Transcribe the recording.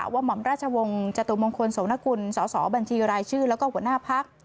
ว่าหม่อมราชวงศ์จตุมงคลสวนกุลสอสอบัญชีรายชื่อและหัวหน้าภักดิ์